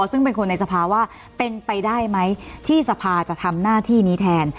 ซึ่งเป็นคนในสภาว่าเป็นไปได้ไหมที่สภาจะทำหน้าที่นี้แทน